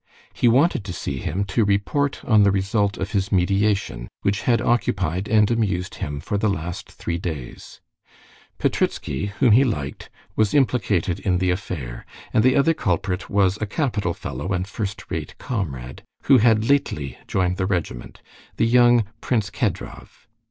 He wanted to see him, to report on the result of his mediation, which had occupied and amused him for the last three days. Petritsky, whom he liked, was implicated in the affair, and the other culprit was a capital fellow and first rate comrade, who had lately joined the regiment, the young Prince Kedrov.